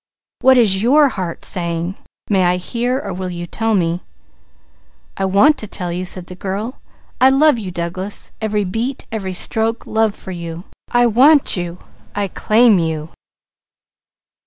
What is your heart saying? May I hear or will you tell me?" "I want to tell you!" said the girl. "I love you, Douglas! Every beat, every stroke, love for you."